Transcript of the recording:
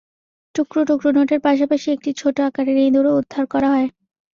টুকরো টুকরো নোটের পাশাপাশি একটি ছোট আকারের ইঁদুরও উদ্ধার করা হয়।